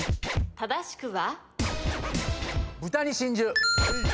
正しくは？